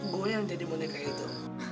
gue yang jadi boneka itu